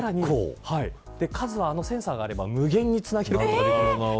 数はあのセンサーがあれば無限につなげることができます。